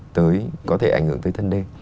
tới thân đê